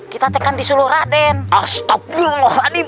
kita tekan diseluruh raden astagfirullah